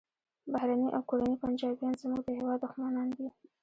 بهرني او کورني پنجابیان زموږ د هیواد دښمنان دي